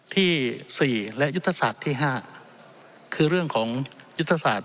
ที่๔และยุทธศาสตร์ที่๕คือเรื่องของยุทธศาสตร์